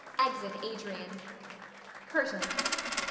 [Exit Adrian. CURTAIN.